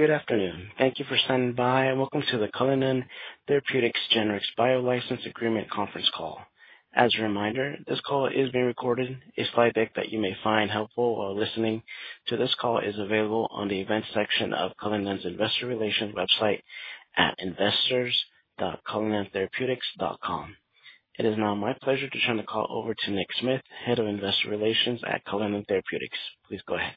Good afternoon. Thank you for stopping by. Welcome to the Cullinan Therapeutics Genrix Bio License Agreement Conference Call. As a reminder, this call is being recorded. If I think that you may find helpful while listening to this call, it is available on the events section of Cullinan's Investor Relations website at investors.cullinantherapeutics.com. It is now my pleasure to turn the call over to Nick Smith, Head of Investor Relations at Cullinan Therapeutics. Please go ahead.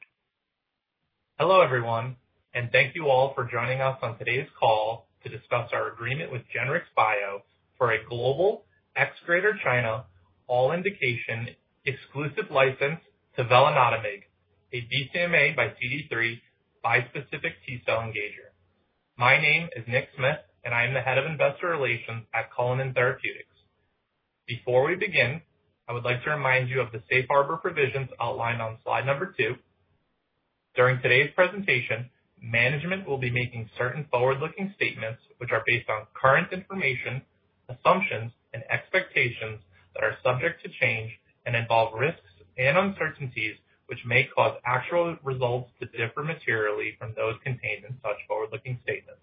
Hello everyone, and thank you all for joining us on today's call to discuss our agreement with Genrix Bio for a global ex-Greater China all-indication exclusive license to Velinotamig, a BCMAxCD3 bispecific T-cell engager. My name is Nick Smith, and I am the Head of Investor Relations at Cullinan Therapeutics. Before we begin, I would like to remind you of the safe harbor provisions outlined on slide number two. During today's presentation, management will be making certain forward-looking statements which are based on current information, assumptions, and expectations that are subject to change and involve risks and uncertainties which may cause actual results to differ materially from those contained in such forward-looking statements.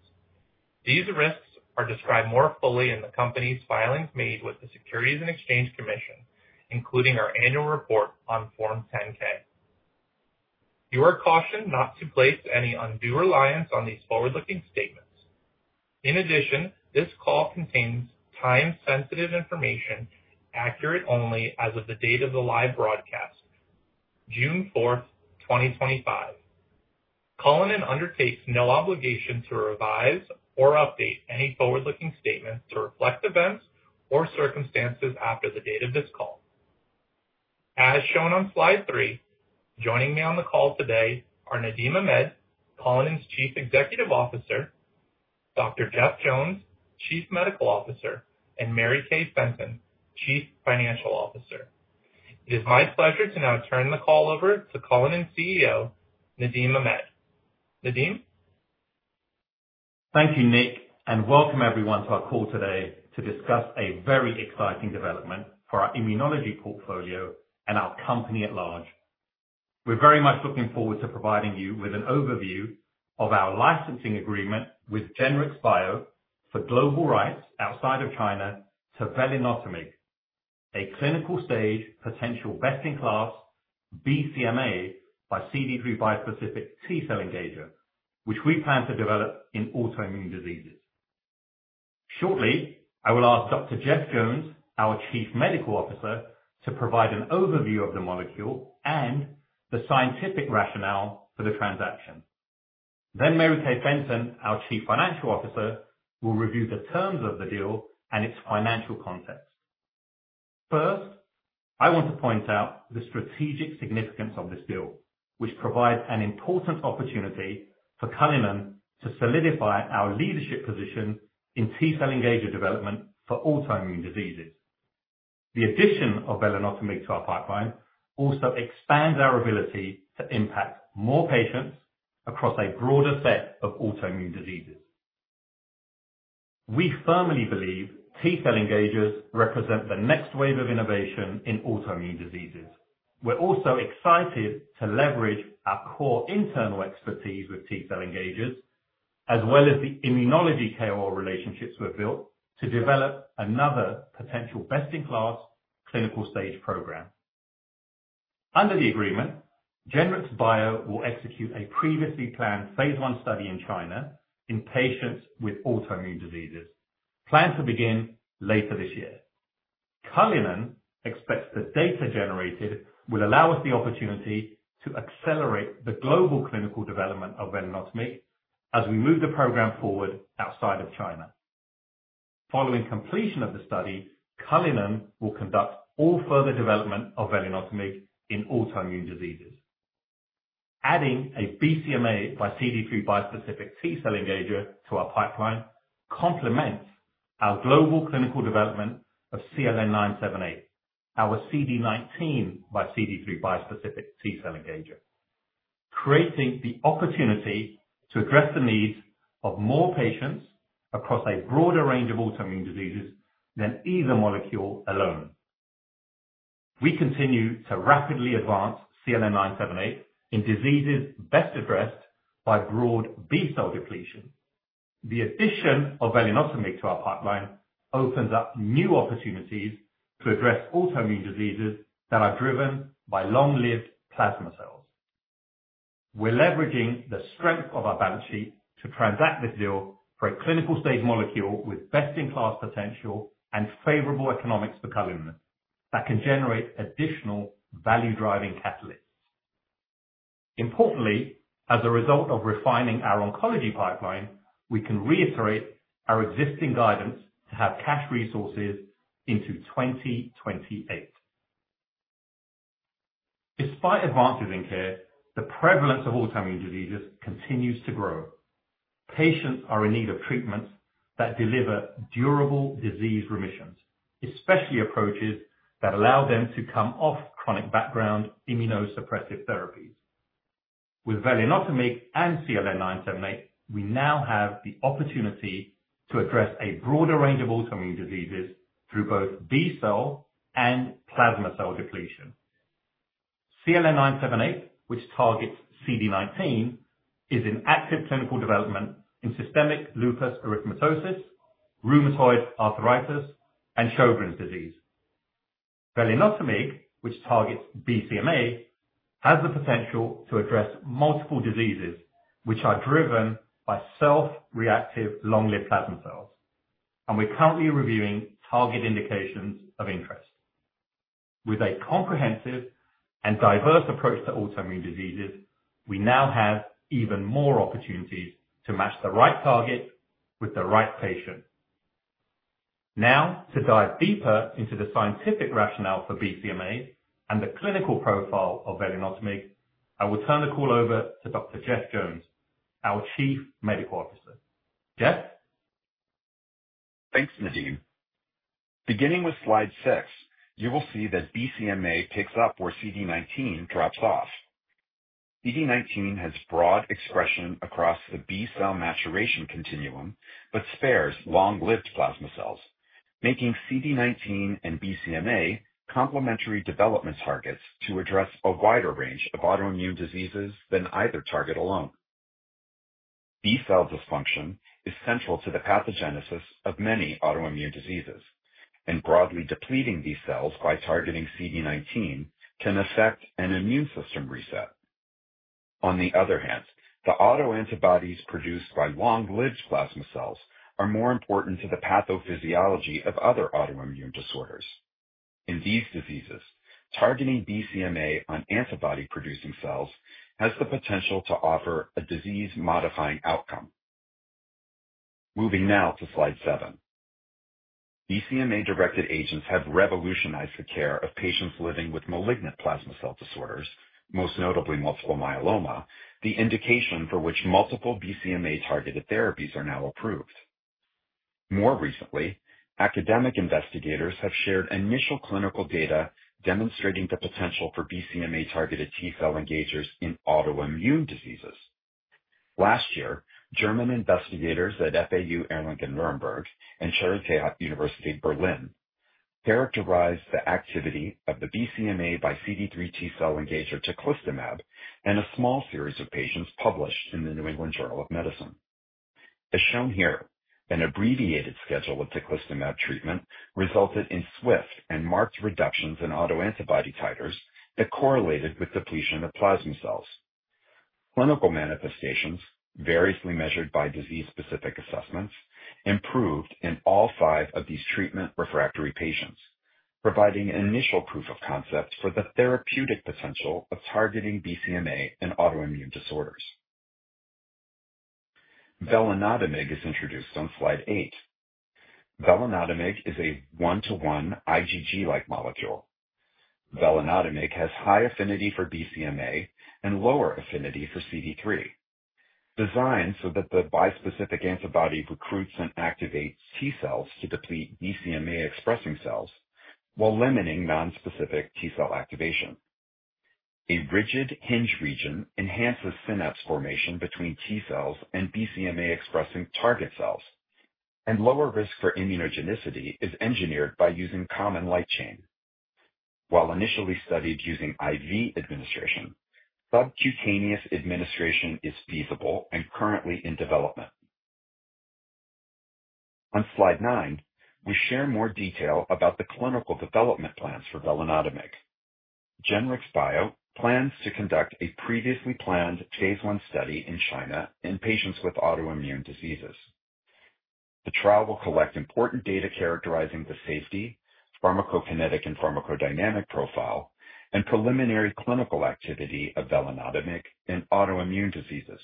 These risks are described more fully in the company's filings made with the Securities and Exchange Commission, including our annual report on Form 10-K. You are cautioned not to place any undue reliance on these forward-looking statements. In addition, this call contains time-sensitive information, accurate only as of the date of the live broadcast, June 4th, 2025. Cullinan undertakes no obligation to revise or update any forward-looking statements to reflect events or circumstances after the date of this call. As shown on slide three, joining me on the call today are Nadim Ahmed, Cullinan's Chief Executive Officer, Dr. Jeff Jones, Chief Medical Officer, and Mary Kay Fenton, Chief Financial Officer. It is my pleasure to now turn the call over to Cullinan CEO Nadim Ahmed. Nadim? Thank you, Nick, and welcome everyone to our call today to discuss a very exciting development for our immunology portfolio and our company at large. We're very much looking forward to providing you with an overview of our licensing agreement with Genrix Bio for global rights outside of China to Velinotamig, a clinical stage potential best-in-class BCMAxCD3 bispecific T-cell engager, which we plan to develop in autoimmune diseases. Shortly, I will ask Dr. Jeff Jones, our Chief Medical Officer, to provide an overview of the molecule and the scientific rationale for the transaction. Mary Kay Fenton, our Chief Financial Officer, will review the terms of the deal and its financial context. First, I want to point out the strategic significance of this deal, which provides an important opportunity for Cullinan to solidify our leadership position in T-cell engager development for autoimmune diseases. The addition of Velinotamig to our pipeline also expands our ability to impact more patients across a broader set of autoimmune diseases. We firmly believe T-cell engagers represent the next wave of innovation in autoimmune diseases. We're also excited to leverage our core internal expertise with T-cell engagers, as well as the immunology KOL relationships we've built to develop another potential best-in-class clinical stage program. Under the agreement, Genrix Bio will execute a previously planned phase I study in China in patients with autoimmune diseases, planned to begin later this year. Cullinan expects the data generated will allow us the opportunity to accelerate the global clinical development of Velinotamig as we move the program forward outside of China. Following completion of the study, Cullinan will conduct all further development of Velinotamig in autoimmune diseases. Adding a BCMAxCD3 bispecific T-cell engager to our pipeline complements our global clinical development of CLN-978, our CD19xCD3 bispecific T-cell engager, creating the opportunity to address the needs of more patients across a broader range of autoimmune diseases than either molecule alone. We continue to rapidly advance CLN-978 in diseases best addressed by broad B-cell depletion. The addition of Velinotamig to our pipeline opens up new opportunities to address autoimmune diseases that are driven by long-lived plasma cells. We're leveraging the strength of our balance sheet to transact this deal for a clinical stage molecule with best-in-class potential and favorable economics for Cullinan that can generate additional value-driving catalysts. Importantly, as a result of refining our oncology pipeline, we can reiterate our existing guidance to have cash resources into 2028. Despite advances in care, the prevalence of autoimmune diseases continues to grow. Patients are in need of treatments that deliver durable disease remissions, especially approaches that allow them to come off chronic background immunosuppressive therapies. With Velinotamig and CLN-978, we now have the opportunity to address a broader range of autoimmune diseases through both B-cell and plasma cell depletion. CLN-978, which targets CD19, is in active clinical development in systemic lupus erythematosus, rheumatoid arthritis, and Sjögren's disease. Velinotamig, which targets BCMA, has the potential to address multiple diseases which are driven by self-reactive long-lived plasma cells, and we're currently reviewing target indications of interest. With a comprehensive and diverse approach to autoimmune diseases, we now have even more opportunities to match the right target with the right patient. Now, to dive deeper into the scientific rationale for BCMA and the clinical profile of Velinotamig, I will turn the call over to Dr. Jeff Jones, our Chief Medical Officer. Jeff? Thanks, Nadim. Beginning with slide six, you will see that BCMA picks up where CD19 drops off. CD19 has broad expression across the B-cell maturation continuum but spares long-lived plasma cells, making CD19 and BCMA complementary development targets to address a wider range of autoimmune diseases than either target alone. B-cell dysfunction is central to the pathogenesis of many autoimmune diseases, and broadly depleting these cells by targeting CD19 can affect an immune system reset. On the other hand, the autoantibodies produced by long-lived plasma cells are more important to the pathophysiology of other autoimmune disorders. In these diseases, targeting BCMA on antibody-producing cells has the potential to offer a disease-modifying outcome. Moving now to slide seven. BCMA-directed agents have revolutionized the care of patients living with malignant plasma cell disorders, most notably multiple myeloma, the indication for which multiple BCMA-targeted therapies are now approved. More recently, academic investigators have shared initial clinical data demonstrating the potential for BCMA-targeted T-cell engagers in autoimmune diseases. Last year, German investigators at FAU Erlangen-Nürnberg and Charité University Berlin characterized the activity of the BCMAxCD3 T-cell engager teclistamab in a small series of patients published in the New England Journal of Medicine. As shown here, an abbreviated schedule of teclistamab treatment resulted in swift and marked reductions in autoantibody titers that correlated with depletion of plasma cells. Clinical manifestations, variously measured by disease-specific assessments, improved in all five of these treatment refractory patients, providing initial proof of concept for the therapeutic potential of targeting BCMA in autoimmune disorders. Velinotamig is introduced on slide eight. Velinotamig is a one-to-one IgG-like molecule. Velinotamig has high affinity for BCMA and lower affinity for CD3, designed so that the bispecific antibody recruits and activates T-cells to deplete BCMA-expressing cells while limiting nonspecific T-cell activation. A rigid hinge region enhances synapse formation between T-cells and BCMA-expressing target cells, and lower risk for immunogenicity is engineered by using common light chain. While initially studied using IV administration, subcutaneous administration is feasible and currently in development. On slide nine, we share more detail about the clinical development plans for Velinotamig. Genrix Bio plans to conduct a previously planned phase I study in China in patients with autoimmune diseases. The trial will collect important data characterizing the safety, pharmacokinetic, and pharmacodynamic profile, and preliminary clinical activity of Velinotamig in autoimmune diseases.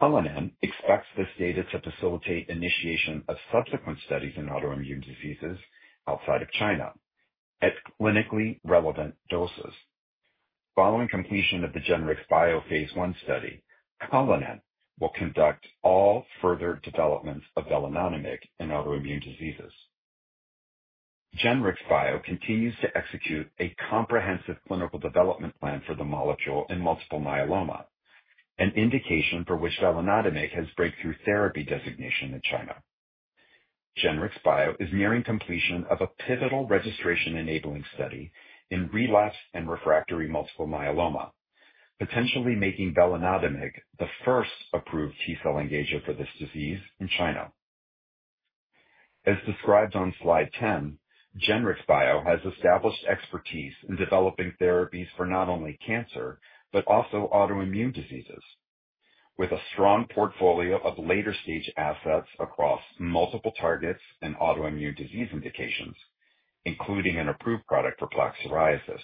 Cullinan expects this data to facilitate initiation of subsequent studies in autoimmune diseases outside of China at clinically relevant doses. Following completion of the Genrix Bio phase I study, Cullinan will conduct all further developments of Velinotamig in autoimmune diseases. Genrix Bio continues to execute a comprehensive clinical development plan for the molecule in multiple myeloma, an indication for which Velinotamig has breakthrough therapy designation in China. Genrix Bio is nearing completion of a pivotal registration-enabling study in relapsed and refractory multiple myeloma, potentially making Velinotamig the first approved T-cell engager for this disease in China. As described on slide 10, Genrix Bio has established expertise in developing therapies for not only cancer but also autoimmune diseases. With a strong portfolio of later-stage assets across multiple targets and autoimmune disease indications, including an approved product for plaque psoriasis,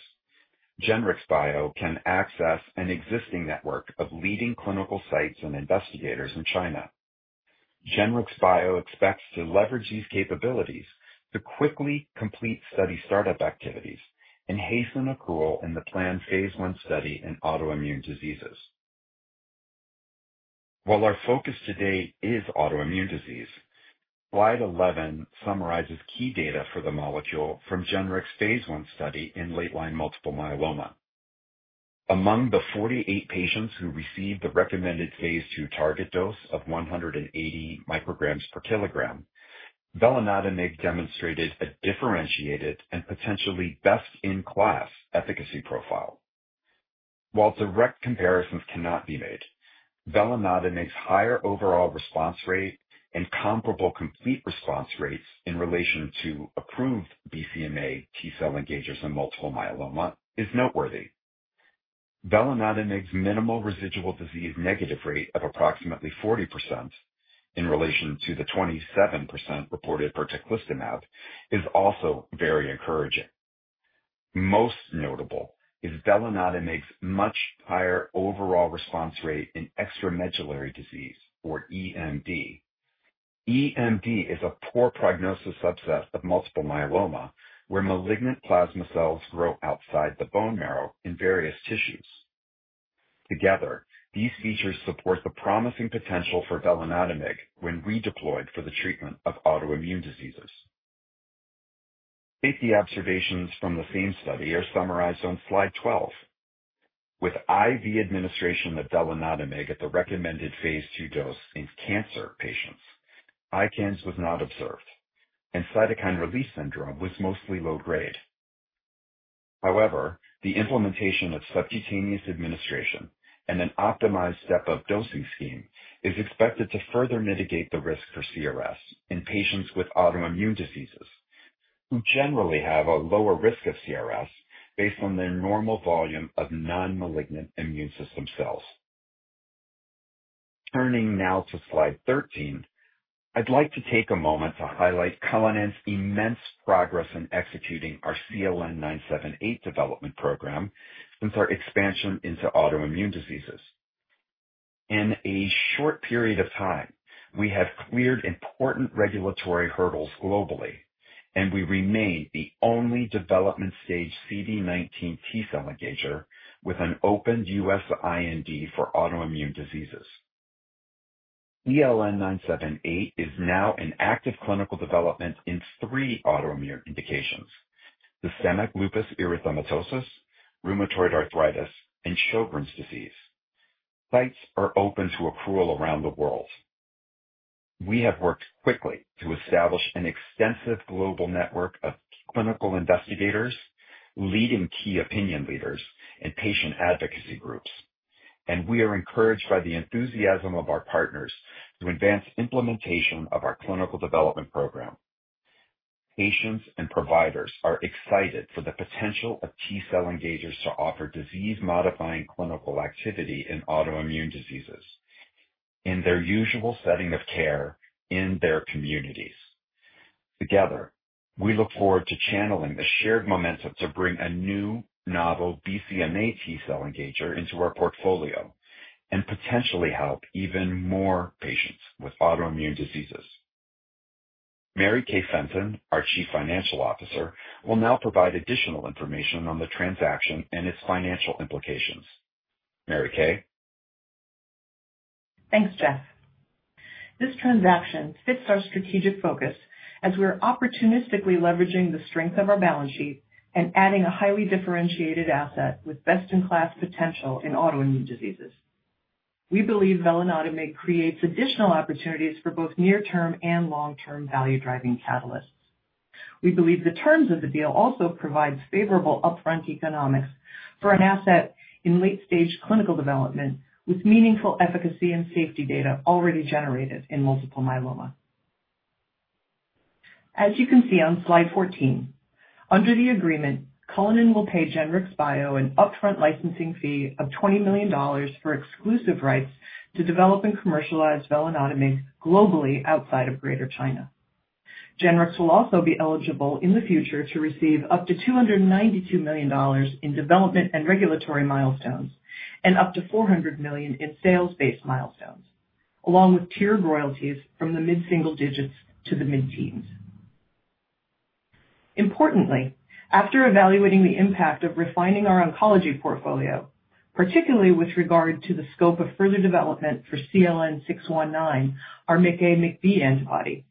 Genrix Bio can access an existing network of leading clinical sites and investigators in China. Genrix Bio expects to leverage these capabilities to quickly complete study startup activities and hasten accrual in the planned phase I study in autoimmune diseases. While our focus today is autoimmune disease, slide 11 summarizes key data for the molecule from Genrix phase I study in late-line multiple myeloma. Among the 48 patients who received the recommended phase II target dose of 180 mg per kg, Velinotamig demonstrated a differentiated and potentially best-in-class efficacy profile. While direct comparisons cannot be made, Velinotamig's higher overall response rate and comparable complete response rates in relation to approved BCMA T-cell engagers in multiple myeloma is noteworthy. Velinotamig's minimal residual disease negative rate of approximately 40% in relation to the 27% reported for teclistamab is also very encouraging. Most notable is Velinotamig's much higher overall response rate in extramedullary disease, or EMD. EMD is a poor prognosis subset of multiple myeloma where malignant plasma cells grow outside the bone marrow in various tissues. Together, these features support the promising potential for Velinotamig when redeployed for the treatment of autoimmune diseases. Safety observations from the same study are summarized on slide 12. With IV administration of Velinotamig at the recommended phase II dose in cancer patients, ICANS was not observed, and cytokine release syndrome was mostly low grade. However, the implementation of subcutaneous administration and an optimized step-up dosing scheme is expected to further mitigate the risk for CRS in patients with autoimmune diseases, who generally have a lower risk of CRS based on their normal volume of non-malignant immune system cells. Turning now to slide 13, I'd like to take a moment to highlight Cullinan's immense progress in executing our CLN-978 development program since our expansion into autoimmune diseases. In a short period of time, we have cleared important regulatory hurdles globally, and we remain the only development stage CD19 T-cell engager with an open U.S. IND for autoimmune diseases. CLN-978 is now in active clinical development in three autoimmune indications: systemic lupus erythematosus, rheumatoid arthritis, and Sjögren's disease. Sites are open to accrual around the world. We have worked quickly to establish an extensive global network of clinical investigators, leading key opinion leaders, and patient advocacy groups, and we are encouraged by the enthusiasm of our partners to advance implementation of our clinical development program. Patients and providers are excited for the potential of T-cell engagers to offer disease-modifying clinical activity in autoimmune diseases in their usual setting of care in their communities. Together, we look forward to channeling the shared momentum to bring a new novel BCMA T-cell engager into our portfolio and potentially help even more patients with autoimmune diseases. Mary Kay Fenton, our Chief Financial Officer, will now provide additional information on the transaction and its financial implications. Mary Kay? Thanks, Jeff. This transaction fits our strategic focus as we're opportunistically leveraging the strength of our balance sheet and adding a highly differentiated asset with best-in-class potential in autoimmune diseases. We believe Velinotamig creates additional opportunities for both near-term and long-term value-driving catalysts. We believe the terms of the deal also provide favorable upfront economics for an asset in late-stage clinical development with meaningful efficacy and safety data already generated in multiple myeloma. As you can see on slide 14, under the agreement, Cullinan will pay Genrix Bio an upfront licensing fee of $20 million for exclusive rights to develop and commercialize Velinotamig globally outside of Greater China. Genrix will also be eligible in the future to receive up to $292 million in development and regulatory milestones and up to $400 million in sales-based milestones, along with tiered royalties from the mid-single digits to the mid-teens. Importantly, after evaluating the impact of refining our oncology portfolio, particularly with regard to the scope of further development for CLN-619, our MICA/B antibody,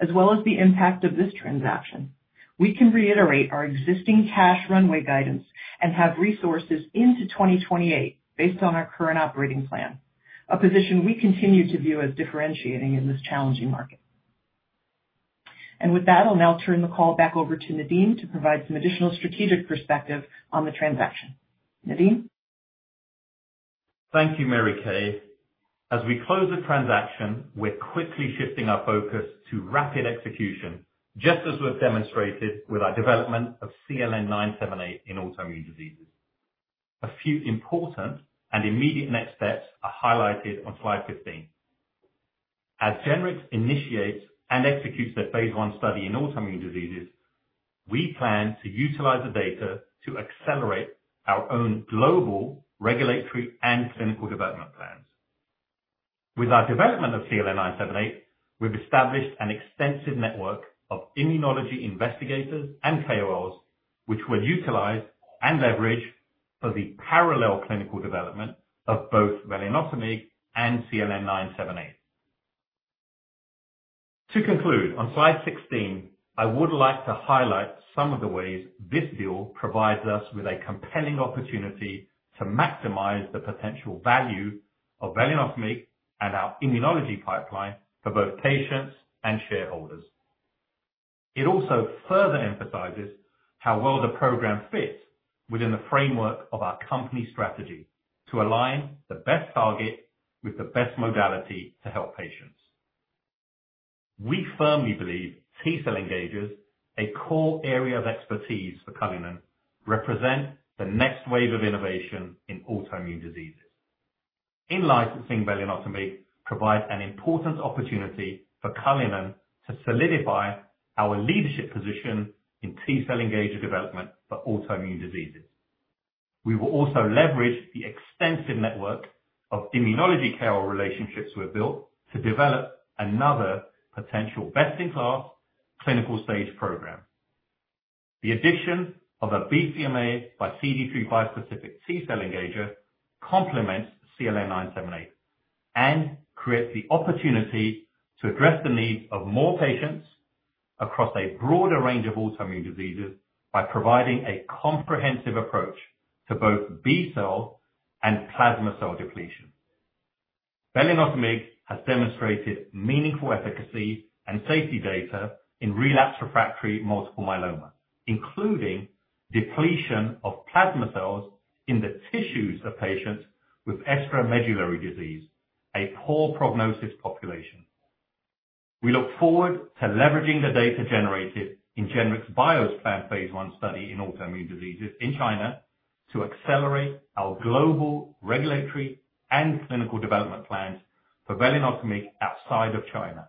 as well as the impact of this transaction, we can reiterate our existing cash runway guidance and have resources into 2028 based on our current operating plan, a position we continue to view as differentiating in this challenging market. With that, I'll now turn the call back over to Nadim to provide some additional strategic perspective on the transaction. Nadim? Thank you, Mary Kay. As we close the transaction, we're quickly shifting our focus to rapid execution, just as we've demonstrated with our development of CLN-978 in autoimmune diseases. A few important and immediate next steps are highlighted on slide 15. As Genrix initiates and executes their phase I study in autoimmune diseases, we plan to utilize the data to accelerate our own global regulatory and clinical development plans. With our development of CLN-978, we've established an extensive network of immunology investigators and KOLs, which we'll utilize and leverage for the parallel clinical development of both Velinotamig and CLN-978. To conclude, on slide 16, I would like to highlight some of the ways this deal provides us with a compelling opportunity to maximize the potential value of Velinotamig and our immunology pipeline for both patients and shareholders. It also further emphasizes how well the program fits within the framework of our company strategy to align the best target with the best modality to help patients. We firmly believe T-cell engagers, a core area of expertise for Cullinan, represent the next wave of innovation in autoimmune diseases. In licensing, Velinotamig provides an important opportunity for Cullinan to solidify our leadership position in T-cell engager development for autoimmune diseases. We will also leverage the extensive network of immunology KOL relationships we've built to develop another potential best-in-class clinical stage program. The addition of a BCMAxCD3 bispecific T-cell engager complements CLN-978 and creates the opportunity to address the needs of more patients across a broader range of autoimmune diseases by providing a comprehensive approach to both B-cell and plasma cell depletion. Velinotamig has demonstrated meaningful efficacy and safety data in relapsed refractory multiple myeloma, including depletion of plasma cells in the tissues of patients with extramedullary disease, a poor prognosis population. We look forward to leveraging the data generated in Genrix Bio's planned phase I study in autoimmune diseases in China to accelerate our global regulatory and clinical development plans for Velinotamig outside of China.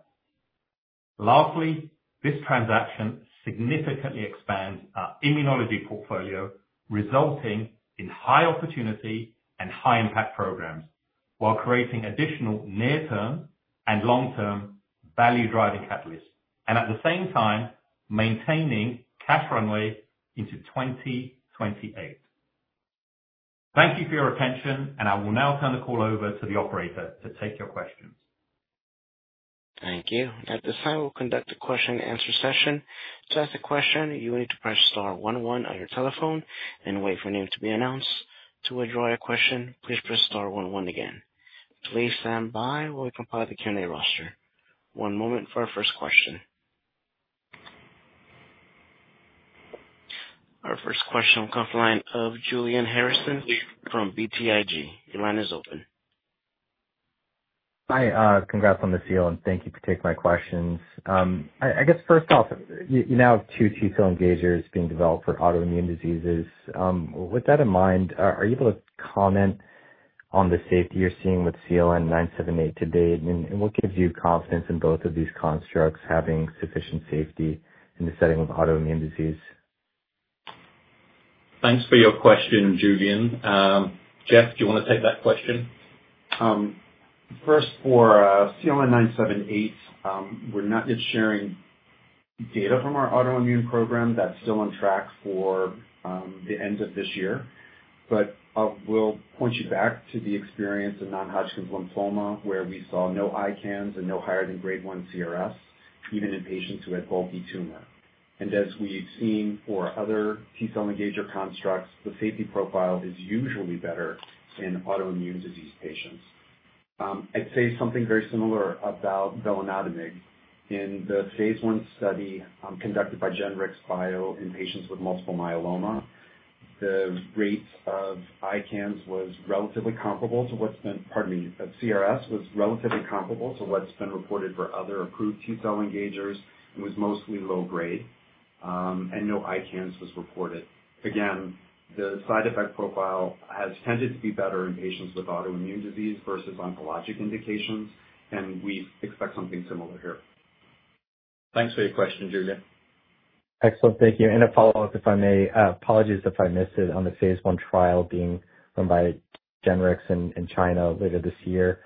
Lastly, this transaction significantly expands our immunology portfolio, resulting in high opportunity and high-impact programs while creating additional near-term and long-term value-driving catalysts, and at the same time, maintaining cash runway into 2028. Thank you for your attention, and I will now turn the call over to the operator to take your questions. Thank you. At this time, we'll conduct a question-and-answer session. To ask a question, you will need to press star one one on your telephone and wait for the name to be announced. To withdraw your question, please press star one one again. Please stand by while we compile the Q&A roster. One moment for our first question. Our first question will come from the line of Julian Harrison from BTIG. Your line is open. Hi. Congrats on the deal, and thank you for taking my questions. I guess, first off, you now have two T-cell engagers being developed for autoimmune diseases. With that in mind, are you able to comment on the safety you're seeing with CLN-978 to date, and what gives you confidence in both of these constructs having sufficient safety in the setting of autoimmune disease? Thanks for your question, Julian. Jeff, do you want to take that question? First, for CLN-978, we're not yet sharing data from our autoimmune program. That's still on track for the end of this year. I will point you back to the experience in non-Hodgkin's lymphoma, where we saw no ICANS and no higher than grade 1 CRS, even in patients who had bulky tumor. As we've seen for other T-cell engager constructs, the safety profile is usually better in autoimmune disease patients. I'd say something very similar about Velinotamig in the phase I study conducted by Genrix Bio in patients with multiple myeloma. The rate of ICANS was relatively comparable to what's been—pardon me—CRS was relatively comparable to what's been reported for other approved T-cell engagers and was mostly low grade, and no ICANS was reported. Again, the side effect profile has tended to be better in patients with autoimmune disease versus oncologic indications, and we expect something similar here. Thanks for your question, Julian. Excellent. Thank you. A follow-up, if I may—apologies if I missed it—on the phase I trial being run by Genrix in China later this year.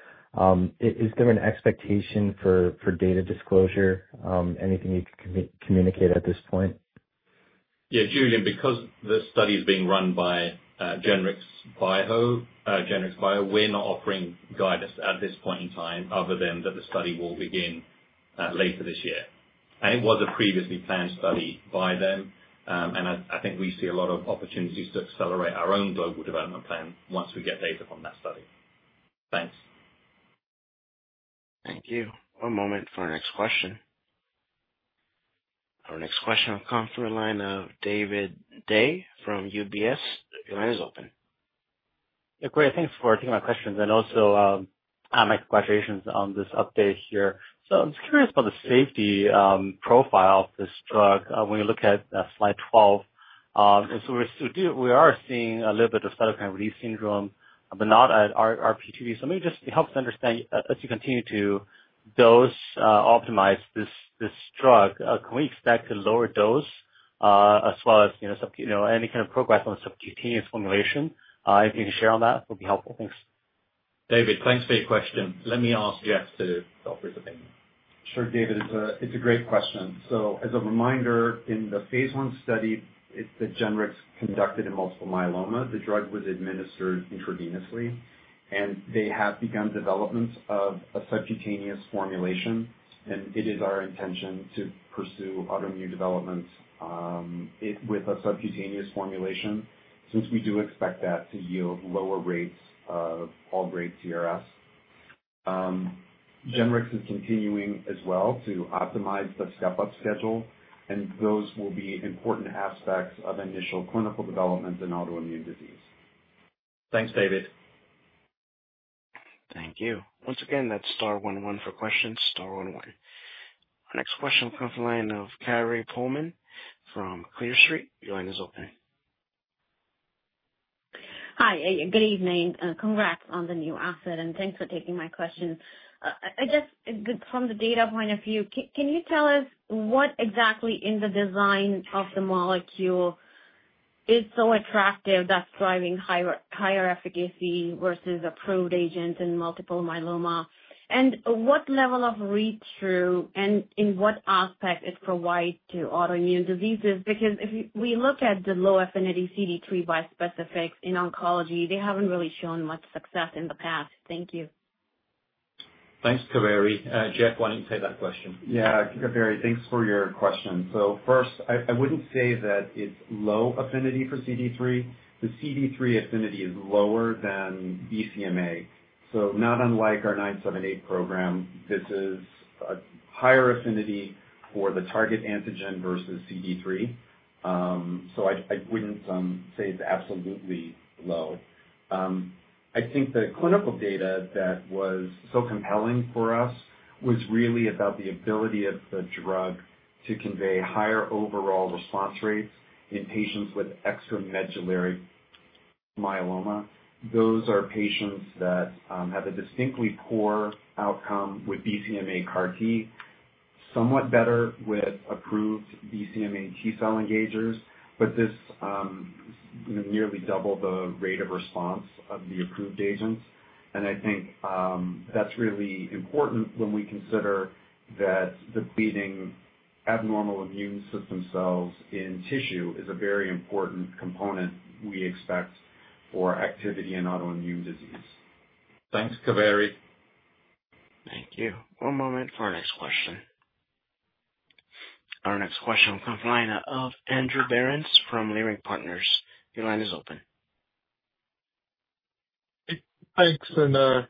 Is there an expectation for data disclosure? Anything you can communicate at this point? Yeah. Julian, because the study is being run by Genrix Bio, we're not offering guidance at this point in time other than that the study will begin later this year. It was a previously planned study by them, and I think we see a lot of opportunities to accelerate our own global development plan once we get data from that study. Thanks. Thank you. One moment for our next question. Our next question will come from the line of David Dai from UBS. Your line is open. Yeah. Great. Thanks for taking my questions. Also, my congratulations on this update here. I'm just curious about the safety profile of this drug. When you look at slide 12, we are seeing a little bit of cytokine release syndrome, but not at RPTV. Maybe just help us understand, as you continue to dose-optimize this drug, can we expect a lower dose as well as any kind of progress on subcutaneous formulation? If you can share on that, that would be helpful. Thanks. David, thanks for your question. Let me ask Jeff to offer his opinion. Sure, David. It's a great question. As a reminder, in the phase I study Genrix conducted in multiple myeloma, the drug was administered intravenously, and they have begun development of a subcutaneous formulation. It is our intention to pursue autoimmune development with a subcutaneous formulation since we do expect that to yield lower rates of all-grade CRS. Genrix is continuing as well to optimize the step-up schedule, and those will be important aspects of initial clinical development in autoimmune disease. Thanks, David. Thank you. Once again, that's star one one for questions. Star one one. Our next question will come from the line of Kaveri Pohlman from Clear Street. Your line is open. Hi. Good evening. Congrats on the new asset, and thanks for taking my question. I guess, from the data point of view, can you tell us what exactly in the design of the molecule is so attractive that's driving higher efficacy versus approved agents in multiple myeloma? What level of read-through and in what aspect it provides to autoimmune diseases? Because if we look at the low affinity CD3 bispecifics in oncology, they haven't really shown much success in the past. Thank you. Thanks, Kaveri. Jeff, why don't you take that question? Yeah. Kaveri, thanks for your question. First, I would not say that it is low affinity for CD3. The CD3 affinity is lower than BCMA. Not unlike our 978 program, this is a higher affinity for the target antigen versus CD3. I would not say it is absolutely low. I think the clinical data that was so compelling for us was really about the ability of the drug to convey higher overall response rates in patients with extramedullary myeloma. Those are patients that have a distinctly poor outcome with BCMA CAR-T, somewhat better with approved BCMA T-cell engagers, but this nearly doubled the rate of response of the approved agents. I think that is really important when we consider that depleting abnormal immune system cells in tissue is a very important component we expect for activity in autoimmune disease. Thanks, Kaveri. Thank you. One moment for our next question. Our next question will come from the line of Andrew Berens from Leerink Partners. Your line is open. Thanks.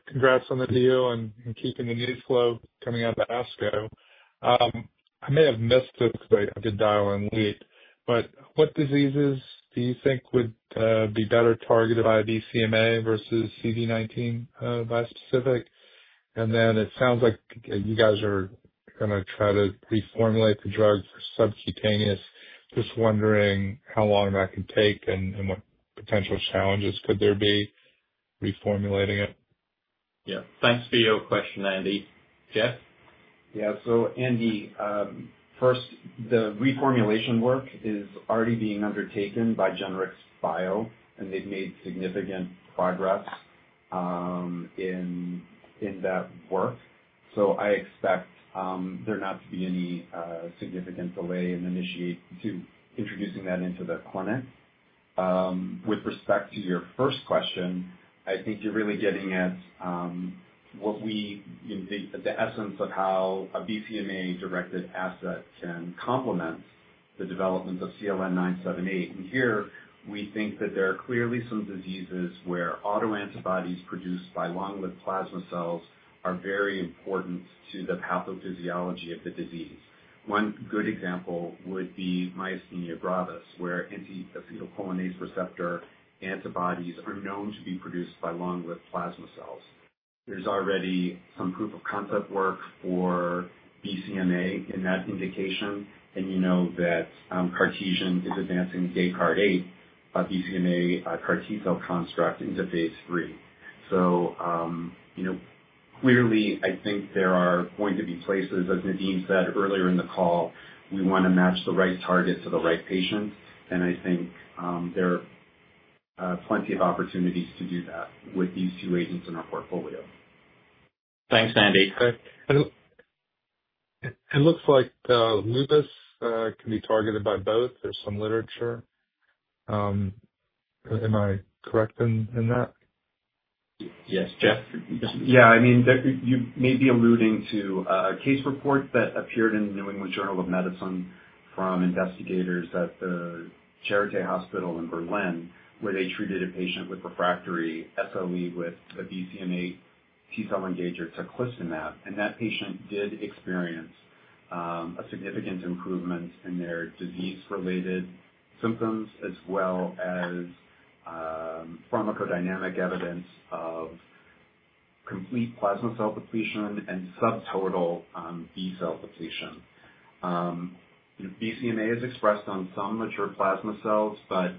Congrats on the deal and keeping the news flow coming out of ASCO. I may have missed it because I did dial in late, but what diseases do you think would be better targeted by BCMA versus CD19 bispecific? It sounds like you guys are going to try to reformulate the drug for subcutaneous. Just wondering how long that can take and what potential challenges could there be reformulating it? Yeah. Thanks for your question, Andy. Jeff? Yeah. Andy, first, the reformulation work is already being undertaken by Genrix Bio, and they've made significant progress in that work. I expect there not to be any significant delay in introducing that into the clinic. With respect to your first question, I think you're really getting at the essence of how a BCMA-directed asset can complement the development of CLN-978. Here, we think that there are clearly some diseases where autoantibodies produced by long-lived plasma cells are very important to the pathophysiology of the disease. One good example would be myasthenia gravis, where anti-acetylcholinase receptor antibodies are known to be produced by long-lived plasma cells. There's already some proof-of-concept work for BCMA in that indication, and you know that Cartesian is advancing Descartes-08, a BCMA CAR-T cell construct into phase III. Clearly, I think there are going to be places, as Nadim said earlier in the call, we want to match the right target to the right patient. I think there are plenty of opportunities to do that with these two agents in our portfolio. Thanks, Andy. It looks like lupus can be targeted by both. There's some literature. Am I correct in that? Yes. Jeff? Yeah. I mean, you may be alluding to a case report that appeared in the New England Journal of Medicine from investigators at the Charité University Berlin, where they treated a patient with refractory SLE with a BCMA T-cell engager, Teclistamab. That patient did experience a significant improvement in their disease-related symptoms as well as pharmacodynamic evidence of complete plasma cell depletion and subtotal B-cell depletion. BCMA is expressed on some mature plasma cells, but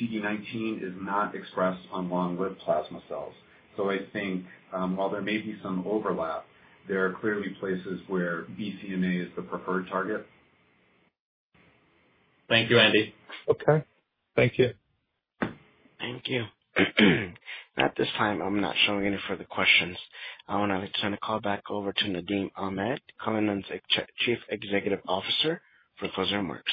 CD19 is not expressed on long-lived plasma cells. I think while there may be some overlap, there are clearly places where BCMA is the preferred target. Thank you, Andy. Okay. Thank you. Thank you. At this time, I'm not showing any further questions. I will now turn the call back over to Nadim Ahmed, Cullinan's Chief Executive Officer, for closing remarks.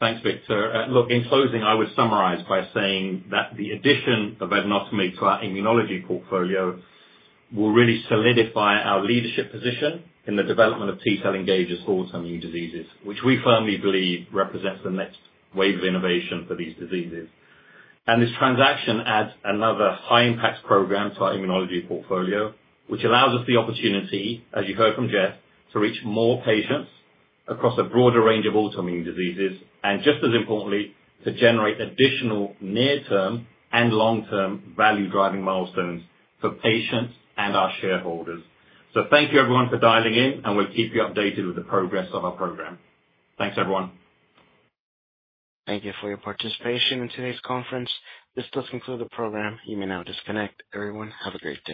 Thanks, Victor. Look, in closing, I would summarize by saying that the addition of Velinotamig to our immunology portfolio will really solidify our leadership position in the development of T-cell engagers for autoimmune diseases, which we firmly believe represents the next wave of innovation for these diseases. This transaction adds another high-impact program to our immunology portfolio, which allows us the opportunity, as you heard from Jeff, to reach more patients across a broader range of autoimmune diseases, and just as importantly, to generate additional near-term and long-term value-driving milestones for patients and our shareholders. Thank you, everyone, for dialing in, and we'll keep you updated with the progress of our program. Thanks, everyone. Thank you for your participation in today's conference. This does conclude the program. You may now disconnect. Everyone, have a great day.